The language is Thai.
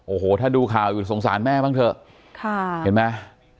โอ้โหถ้าดูข่าวอยู่สงสารแม่บ้างเถอะค่ะเห็นไหม